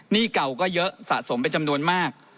เก่าก็เยอะสะสมเป็นจำนวนมาก